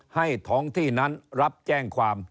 ให้ท้องที่นั้นรับแจ้งความ